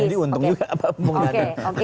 jadi untung juga pak bung dhani